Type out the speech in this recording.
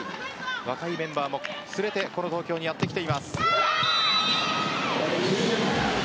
若いメンバーも連れてこの東京にやってきています。